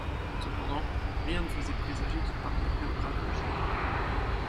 Cependant rien ne faisait présager qu'il parviendrait au grade de général.